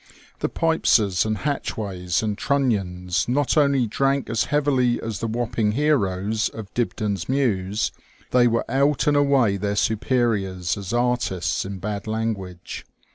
The Pipeses, and Hatchways, and Trunnions not only drank as heavily as the Wapping heroes of Dibdin's muse ; they were out and away their superiors as artists in bad language.